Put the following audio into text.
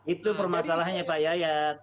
itu permasalahannya pak yayat